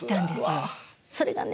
それがね